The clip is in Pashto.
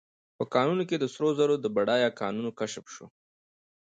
په کانونو کې د سرو زرو د بډایه کانونو کشف شو.